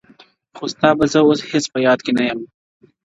o خو ستا به زه اوس هيڅ په ياد كي نه يم.